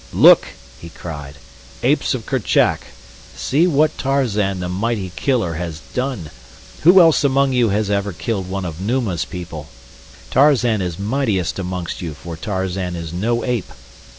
"Look!" he cried, "Apes of Kerchak. See what Tarzan, the mighty killer, has done. Who else among you has ever killed one of Numa's people? Tarzan is mightiest amongst you for Tarzan is no ape.